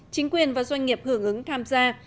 chính quyền và doanh nghiệp hưởng ứng tham gia